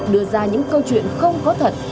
đưa ra những câu chuyện không có thật